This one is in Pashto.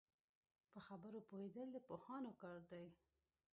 په خبرو پوهېدل د پوهانو کار دی